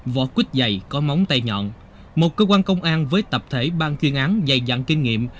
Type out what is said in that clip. vỏ quýt dày có móng tay nhọn một cơ quan công an với tập thể ban chuyên án dày dặn kinh nghiệm